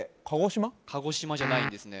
鹿児島じゃないんですね